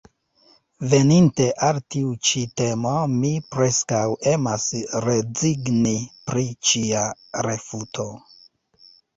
Veninte al tiu ĉi temo mi preskaŭ emas rezigni pri ĉia refuto.